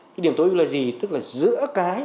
cái điểm tối ưu là gì tức là giữa cái